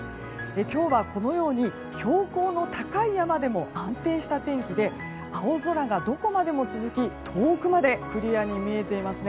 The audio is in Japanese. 今日はこのように標高の高い山でも安定した天気で青空がどこまでも続き遠くまでクリアに見えていますね。